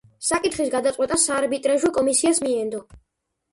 საკითხის გადაწყვეტა საარბიტრაჟო კომისიას მიენდო.